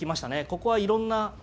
ここはいろんな６五